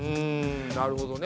なるほどね。